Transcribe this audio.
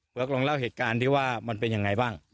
เวิร์กลงเล่าเหตุการณ์ที่ว่ามันเป็นอย่างไรบ้าง